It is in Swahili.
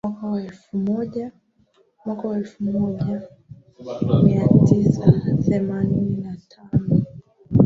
Mwaka wa elfu moja mia tisa themanini na tano